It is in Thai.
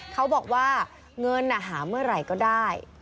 เขาบอกว่าเงินหาเมื่อไหร่ก็ได้